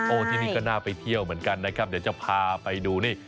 ที่นี่ก็น่าไปเที่ยวเหมือนกันนะครับเดี๋ยวจะพาไปดูนี่